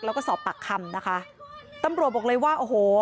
แล้วก็สอบปากคำนะคะตำรวจบอกเลยว่าโอ้โห